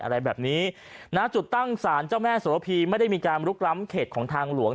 อะไรแบบนี้นะจุดตั้งสารเจ้าแม่สวรพีไม่ได้มีการลุกล้ำเขตของทางหลวง